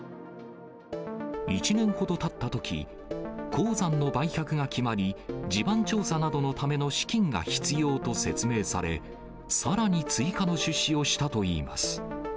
１年ほどたったとき、鉱山の売却が決まり、地盤調査などのための資金が必要と説明され、さらに追加の出資をしたといいます。